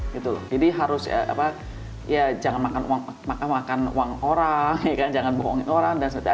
gitu jadi harus ya jangan makan uang orang ya kan jangan bohongin orang dan seterusnya